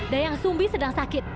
dayang sumi sedang sakit